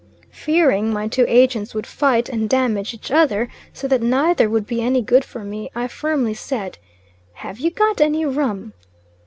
Fearing my two Agents would fight and damage each other, so that neither would be any good for me, I firmly said, "Have you got any rum?"